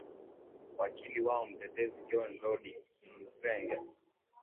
wakili wao mtetezi john dodie mhusenge